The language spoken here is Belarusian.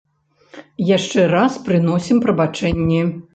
Яшчэ раз прыносім прабачэнні.